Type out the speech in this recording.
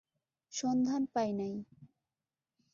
সন্ধান পাই নাই।